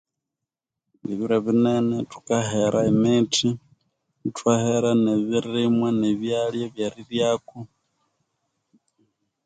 Ebiro ebinene thukahera emithi, ithwahera ne'ebirimwa, nebyalya ebyeriryako.